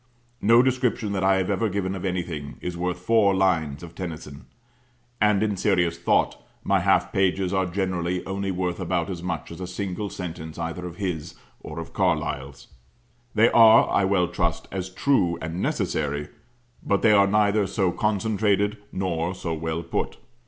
No description that I have ever given of anything is worth four lines of Tennyson; and in serious thought, my half pages are generally only worth about as much as a single sentence either of his, or of Carlyle's. They are, I well trust, as true and necessary; but they are neither so concentrated nor so well put.